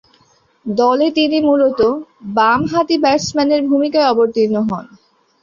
দলে তিনি মূলতঃ বামহাতি ব্যাটসম্যানের ভূমিকায় অবতীর্ণ হন।